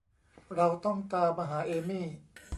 เราต้องตามหาเอมี่